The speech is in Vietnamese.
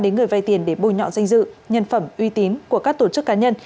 đến người vay tiền để bùi nhọn danh dự nhân phẩm uy tín của các tổ chức cá nhân